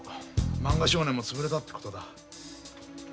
「漫画少年」も潰れたってことだ。